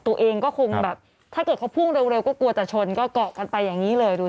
ตัวเองก็คงแบบถ้าเกิดเขาพุ่งเร็วก็กลัวจะชนก็เกาะกันไปอย่างนี้เลยดู